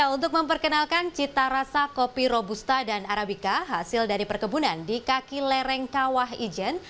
untuk memperkenalkan cita rasa kopi robusta dan arabica hasil dari perkebunan di kaki lereng kawah ijen